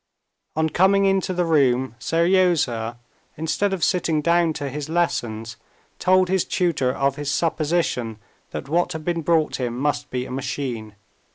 On coming into the room, Seryozha, instead of sitting down to his lessons, told his tutor of his supposition that what had been brought him must be a machine.